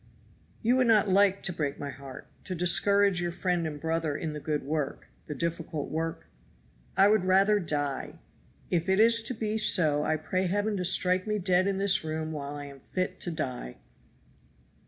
"You would not like to break my heart to discourage your friend and brother in the good work, the difficult work?" "I would rather die; if it is to be so I pray Heaven to strike me dead in this room while I am fit to die!"